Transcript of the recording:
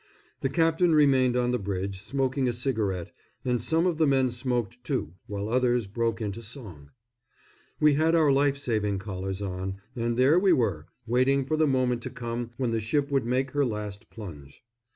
The captain remained on the bridge, smoking a cigarette, and some of the men smoked too, while others broke into song. We had our life saving collars on, and there we were, waiting for the moment to come when the ship would make her last plunge.